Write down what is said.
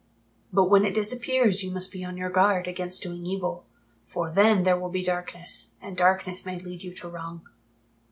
But when it disappears you must be on your guard against doing evil, for then there will be darkness, and darkness may lead you to wrong."